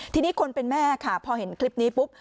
ทีนี้คนเป็นแม่ค่ะพอเห็นคลิปนี้ปุ๊บ